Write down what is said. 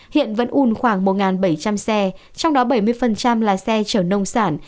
hiện vẫn ùn khoảng một bảy trăm linh xe trong đó bảy mươi là xe chở nông sản